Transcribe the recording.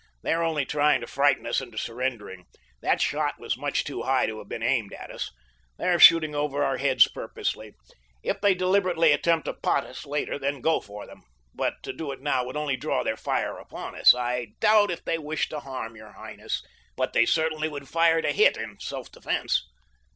"They are only trying to frighten us into surrendering—that shot was much too high to have been aimed at us—they are shooting over our heads purposely. If they deliberately attempt to pot us later, then go for them, but to do it now would only draw their fire upon us. I doubt if they wish to harm your highness, but they certainly would fire to hit in self defense."